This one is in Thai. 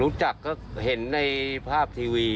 รู้จักก็เห็นในภาพทีวี